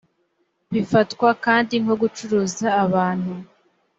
bifatwa kandi nko gucuruza abantu